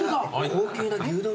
高級牛丼。